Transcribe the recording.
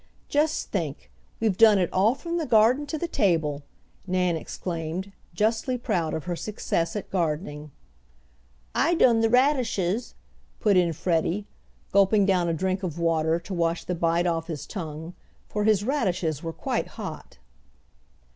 "Just think, we've done it all from the garden to the table!" Nan exclaimed, justly proud of her success at gardening. "I done the radishes," put in Freddie, gulping down a drink of water to wash the bite off his tongue, for his radishes were quite hot.